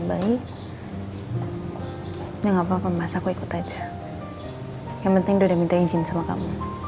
om nino mau ngajak rena jalan jalan